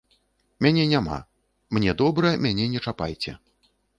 Мяне няма, мне добра, мяне не чапайце.